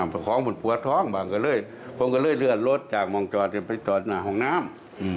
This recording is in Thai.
ผมก็บอกขอโทษได้หลายเพราะว่า